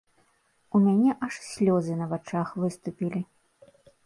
У мяне аж слёзы на вачах выступілі.